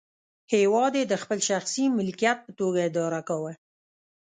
هېواد یې د خپل شخصي ملکیت په توګه اداره کاوه.